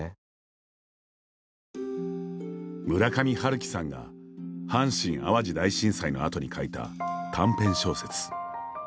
村上春樹さんが阪神・淡路大震災の後に書いた短編小説。